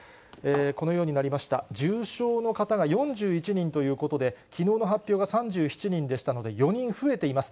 重症の方が４１人ということで、きのうの発表が３７人でしたので、４人増えています。